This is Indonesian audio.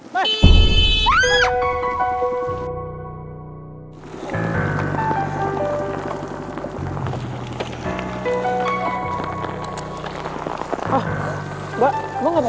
masih aja disalahin